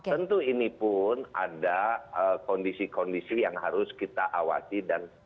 tentu ini pun ada kondisi kondisi yang harus kita awasi dan